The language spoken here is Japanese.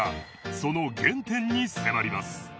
その原点に迫ります